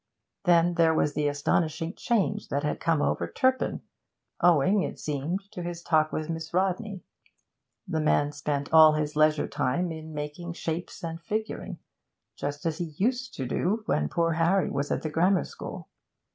Then there was the astonishing change that had come over Turpin, owing, it seemed, to his talk with Miss Rodney; the man spent all his leisure time in 'making shapes and figuring' just as he used to do when poor Harry was at the Grammar School.